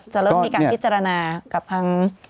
จะเริ่มมีการพิจารณากับทาง